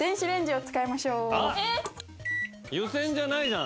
湯煎じゃないじゃん！